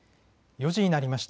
４時になりました。